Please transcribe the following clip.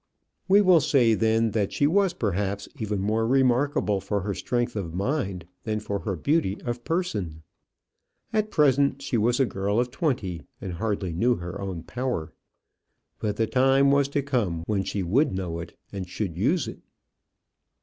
We will say, then, that she was perhaps even more remarkable for her strength of mind than for her beauty of person. At present, she was a girl of twenty, and hardly knew her own power; but the time was to come when she should know it and should use it.